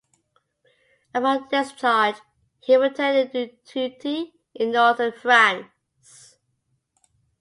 Upon discharge, he returned to duty in Northern France.